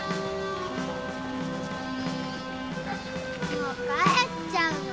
・もう帰っちゃうの？